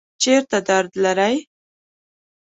چیرته درد لرئ؟